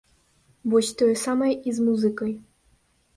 Вось тое самае і з музыкай.